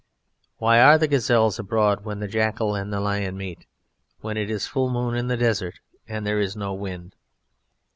"Why are the gazelles abroad when the jackal and the lion meet: when it is full moon in the desert and there is no wind?"